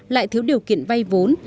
lại thiếu điều kiện vay vốn